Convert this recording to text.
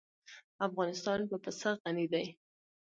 افغانستان په پسه غني دی.